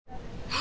あ！